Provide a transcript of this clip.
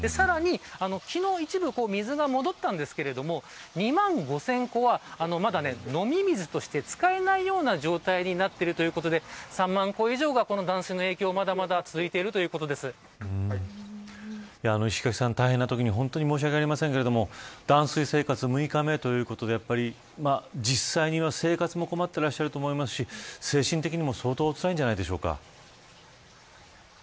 昨日一部水が戻ったんですけれど２万５０００戸はまだ飲み水として使えないような状態になっているということで３万戸以上が断水の影響まだまだ続いている石垣さん、大変なときにも申し訳ありませんが断水生活６日目ということで実際には、生活も困っていらっしゃると思いますし精神的にも相当おつらいんじゃないでしょうか。